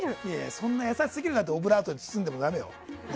そんな優しすぎるってオブラートに包んでもダメだよ。